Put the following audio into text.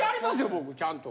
僕ちゃんと。